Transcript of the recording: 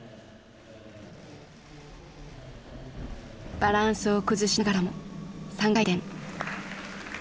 バランスを崩しながらも３回転。